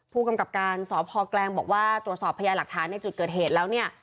ผู้กำกับการสพแกลงบอกว่าตรวจสอบพยาหลักฐานในจุดเกิดเหตุแล้วเนี่ย